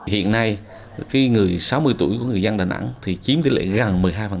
hiện nay người sáu mươi tuổi của người dân đà nẵng thì chiếm tỷ lệ gần một mươi hai